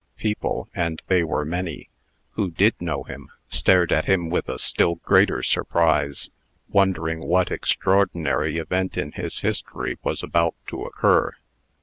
People and they were many who did know him, stared at him with a still greater surprise, wondering what extraordinary event in his history was about to occur.